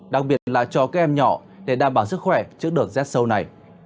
đặc biệt là cho các em nhỏ để đảm bảo sức khỏe trước đợt rét sâu này